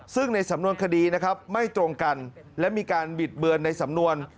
ซึ่งในสำนวนคดีนะครับไม่ตรงกันและมีการบิดเบือนในสำนวน